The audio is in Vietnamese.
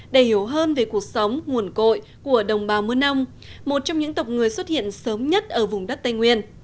để hiểu hơn về cuộc sống nguồn cội của đồng bào mườ nông một trong những tộc người xuất hiện sớm nhất ở vùng đất tây nguyên